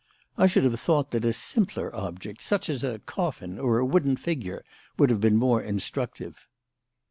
I should have thought that a simpler object, such as a coffin or a wooden figure, would have been more instructive."